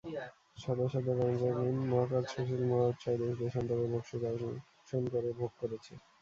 সদা মহা রজোগুণ, মহাকার্যশীল, মহা উৎসাহে দেশ-দেশান্তরের ভোগসুখ আকর্ষণ করে ভোগ করছে।